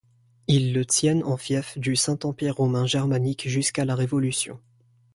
Ils le tiennent en fief du Saint-Empire romain germanique jusqu'à la Révolution.